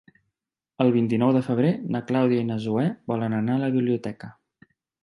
El vint-i-nou de febrer na Clàudia i na Zoè volen anar a la biblioteca.